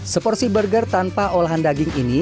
seporsi burger tanpa olahan daging ini